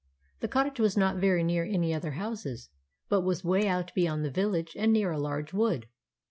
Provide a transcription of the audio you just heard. The cottage was not very near any other houses, but was away out beyond the village and near a large wood.